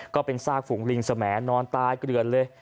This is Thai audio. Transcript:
ก็เป็นซากฝูงลิงสมัยนอนตายเกลือนเลย